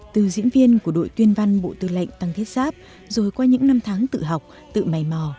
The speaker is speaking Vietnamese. từ diễn viên của đội tuyên văn bộ tư lệnh tăng thiết giáp rồi qua những năm tháng tự học tự mày mò